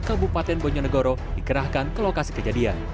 kabupaten bojonegoro dikerahkan ke lokasi kejadian